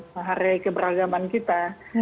menghargai keberagaman kita